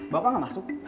bapak nggak masuk